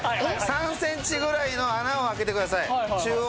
３センチぐらいの穴を開けてください中央に。